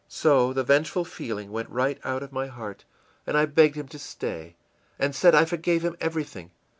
So the vengeful feeling went right out of my heart, and I begged him to stay, and said I forgave him everything.